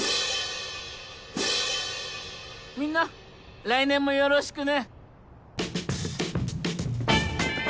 みんな来年もよろしくね。